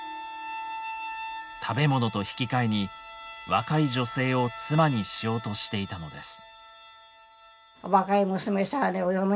食べ物と引き換えに若い女性を妻にしようとしていたのです。